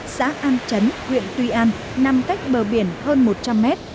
xã an chấn huyện tuy an nằm cách bờ biển hơn một trăm linh mét